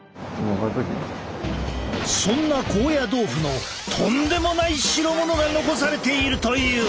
そんな高野豆腐のとんでもない代物が残されているという。